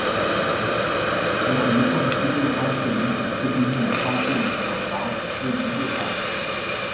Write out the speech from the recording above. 采用一洞四机的方式引水式地面发电厂房位于右岸。